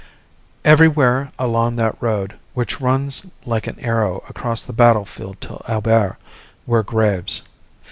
Everywhere along that road, which runs like an arrow across the battle field to Albert, were graves.